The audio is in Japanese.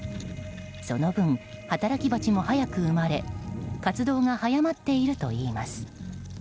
その分、働きバチも早く生まれ活動が早まっているといいます。